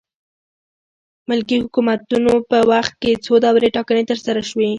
ملکي حکومتونو په وخت کې څو دورې ټاکنې ترسره شوې.